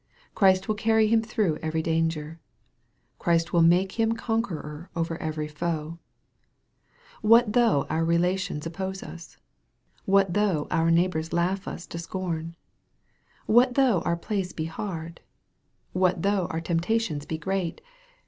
Christ will carry him through every danger. Christ will make him con queror over every foe. What though our relations op pose us? What though our neighbors laugh us to scorn ? What though our place be hard ? What though our temptations be great